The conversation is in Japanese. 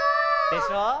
でしょ？